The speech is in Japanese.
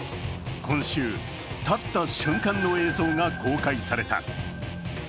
今週、立った瞬間の映像が公開された。